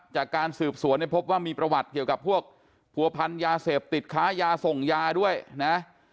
จากการสืบสวนเนี่ยพบว่ามีประวัติเกี่ยวกับพวกผัวพันยาเสพติดค้ายาส่งยาด้วยนะ